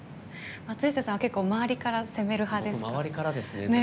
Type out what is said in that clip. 松下さん、結構周りから攻める派ですね。